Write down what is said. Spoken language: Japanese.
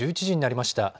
１１時になりました。